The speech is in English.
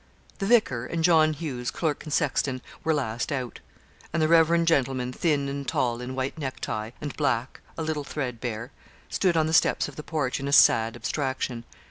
The vicar, and John Hughes, clerk and sexton, were last out; and the reverend gentleman, thin and tall, in white necktie, and black, a little threadbare, stood on the steps of the porch, in a sad abstraction.